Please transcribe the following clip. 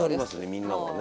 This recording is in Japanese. みんなでね。